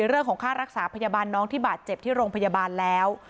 เรื่องของค่ารักษาพยาบาลน้องที่บาดเจ็บที่โรงพยาบาลแล้ว